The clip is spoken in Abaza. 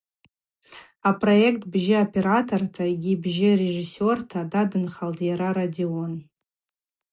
Апроект бжьы операторта йгьи бжьы режиссёрта дадынхалтӏ йара Родион.